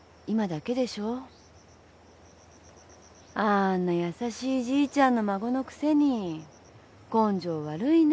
あんな優しいじいちゃんの孫のくせに根性悪いね。